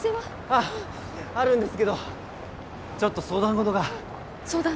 あるんですけどちょっと相談事が相談？